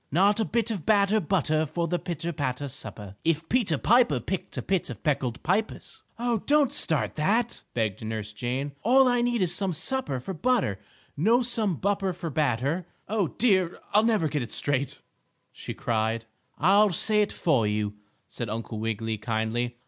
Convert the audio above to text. "Not a bit of batter butter for the pitter patter supper. If Peter Piper picked a pit of peckled pippers " "Oh, don't start that!" begged Nurse Jane. "All I need is some supper for butter no some bupper for batter oh, dear! I'll never get it straight!" she cried. "I'll say it for you," said Uncle Wiggily, kindly.